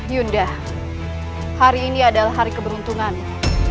yunda hari ini adalah hari keberuntungannya